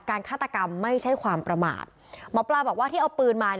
ฆาตกรรมไม่ใช่ความประมาทหมอปลาบอกว่าที่เอาปืนมา